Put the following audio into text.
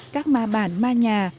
các ma bản ma nhà